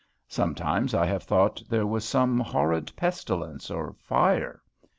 Sometimes I have thought there was some horrid pestilence, or fire.